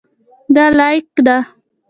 دا لاییک ده.